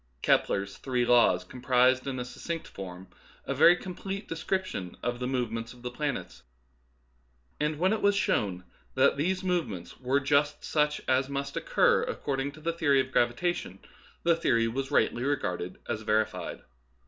Kepler's three laws comprised in succinct form a very complete description of the movements of the planets ; and when it was shown that these movements were just such as must oc cur according to the theory of gravitation, the theory was rightly regarded as verified.